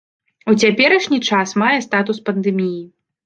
У цяперашні час мае статус пандэміі.